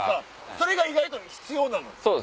それが意外と必要なのよ。